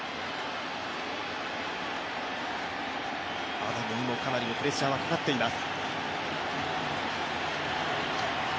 アダムにもかなりのプレッシャーがかかっています。